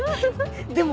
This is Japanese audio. でも。